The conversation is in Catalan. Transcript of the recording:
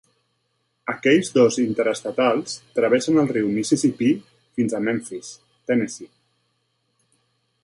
Aquells dos interestatals travessen el riu Mississipí fins a Memphis, Tennessee.